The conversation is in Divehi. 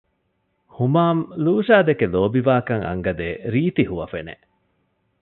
ހުމާމް ލޫޝާދެކެ ލޯބިވާކަން އަންގަދޭ ރީތި ހުވަފެނެއް